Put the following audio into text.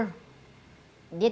dia tidak mengharapkan